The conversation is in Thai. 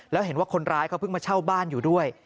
แล้วเห็นว่าคนร้ายเขาเพิ่งมาเช่าบ้านอยู่ด้วย